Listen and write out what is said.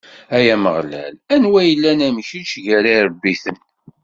Ay Ameɣlal, anwa yellan am kečč gar iṛebbiten?